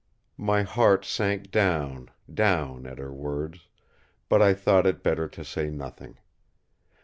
My heart sank down, down, at her words; but I thought it better to say nothing.